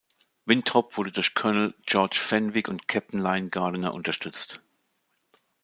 Winthrop wurde durch Colonel George Fenwick und Captain Lion Gardiner unterstützt.